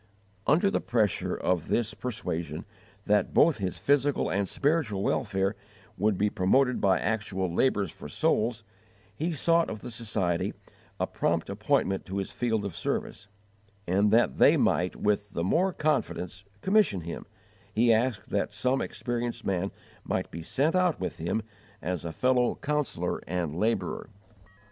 Under the pressure of this persuasion that both his physical and spiritual welfare would be promoted by actual labours for souls, he sought of the Society a prompt appointment to his field of service; and that they might with the more confidence commission him, he asked that some experienced man might be sent out with him as a fellow counsellor and labourer.